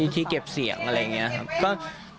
ที่เก็บเสียงอะไรอย่างนี้ครับ